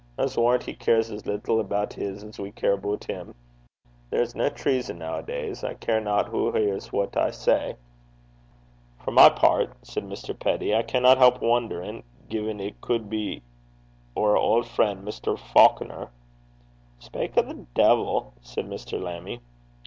'I s' warran' he cares as little aboot hiz as we care aboot him. There's nae treason noo a days. I carena wha hears what I say.' 'For my pairt,' said Mr. Peddie, 'I canna help wonnerin' gin it cud be oor auld frien' Mr. Faukener.' 'Speyk o' the de'il ' said Mr. Lammie.